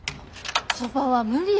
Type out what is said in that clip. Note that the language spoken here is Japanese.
そばは無理。